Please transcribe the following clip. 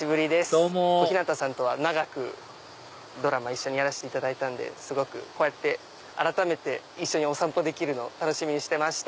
どうも小日向さんとは長くドラマ一緒にやらせていただいたんでこうやって改めて一緒にお散歩できるのを楽しみにしてました。